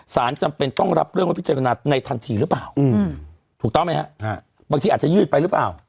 จำเป็นต้องรับเรื่องว่าพิจารณาในทันทีหรือเปล่าถูกต้องไหมฮะบางทีอาจจะยืดไปหรือเปล่า